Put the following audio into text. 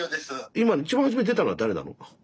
今一番はじめに出たのは誰なの？